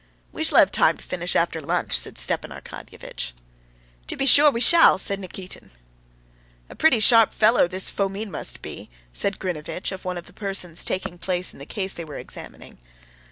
"We shall have time to finish after lunch," said Stepan Arkadyevitch. "To be sure we shall!" said Nikitin. "A pretty sharp fellow this Fomin must be," said Grinevitch of one of the persons taking part in the case they were examining.